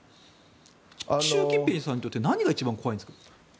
習近平さんにとって何が一番怖いんですか。